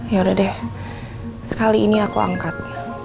yaudah deh sekali ini aku angkat